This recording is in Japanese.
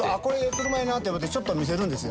車やなって思ってちょっと見せるんですよ。